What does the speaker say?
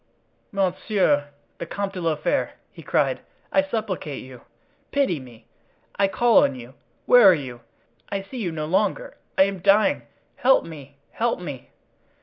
"Monsieur the Comte de la Fere," he cried, "I supplicate you! pity me! I call on you—where are you? I see you no longer—I am dying—help me! help me!"